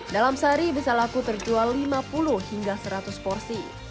dalam sehari bisa laku terjual lima puluh hingga seratus porsi